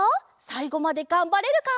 さいごまでがんばれるか？